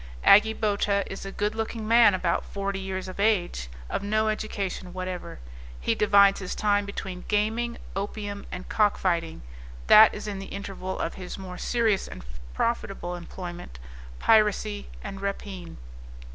Agi Bota is a good looking man, about forty years of age, of no education whatever; he divides his time between gaming, opium and cockfighting; that is in the interval of his more serious and profitable employment, piracy and rapine.